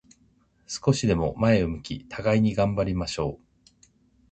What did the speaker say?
少しでも前を向き、互いに頑張りましょう。